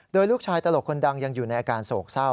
โดยลูกชายตลกคนดังยังอยู่ในอาการโศกเศร้า